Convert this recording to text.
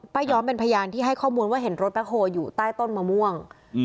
ย้อมเป็นพยานที่ให้ข้อมูลว่าเห็นรถแบ็คโฮลอยู่ใต้ต้นมะม่วง